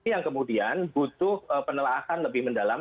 dan kemudian butuh penelaakan lebih mendalam